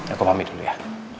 aku pamit dulu ya